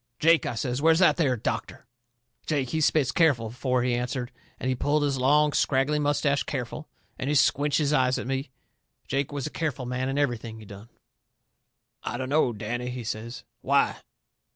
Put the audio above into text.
"Jake," I says, "where's that there doctor?" Jake, he spit careful afore he answered, and he pulled his long, scraggly moustache careful, and he squinched his eyes at me. Jake was a careful man in everything he done. "I dunno, Danny," he says. "Why?"